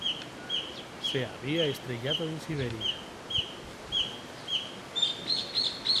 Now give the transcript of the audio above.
Se había estrellado en Siberia.